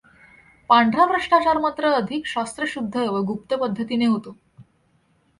पांढरा भ्रष्टाचार मात्र अधिक शास्त्रशुध्द व गुप्त पध्दतीने होतो.